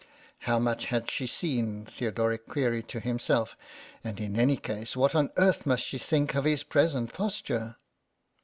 How much had she seen, Theodoric queried to himself, and in any case what on earth must she think of his present posture